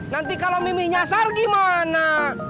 nanti kalau mimi nyasar gimana